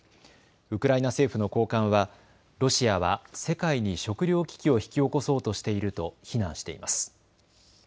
ウクライナ政府の高官はロシアは世界に食料危機を引き起こそうとしていると非難しています。